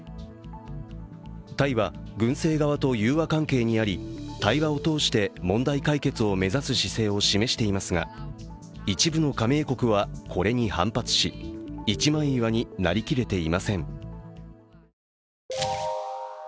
タイは軍政側と融和関係にあり対話を通して問題解決を目指す姿勢を示していますが一部の加盟国はこれに反発し一枚岩になりきれていません。